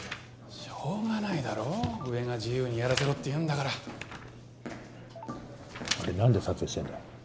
しょうがないだろ上が自由にやらせろって言うんだからあれ何で撮影してんだ？